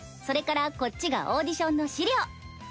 それからこっちがオーディションの資料。